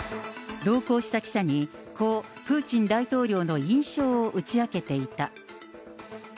同行した記者に、こうプーチン大統領の印象を打ち明けていた。